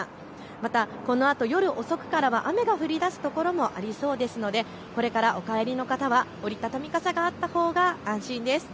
またこのあと夜遅くからは雨が降りだす所もありそうですのでこれからお帰りの方は折り畳み傘があったほうが安心です。